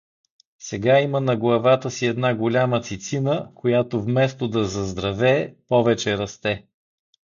Сега има на главата си една голяма цицина, която вместо да заздравее, повече расте.